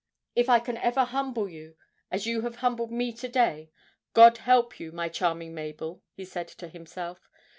'If I can ever humble you as you have humbled me to day, God help you, my charming Mabel!' he said to himself.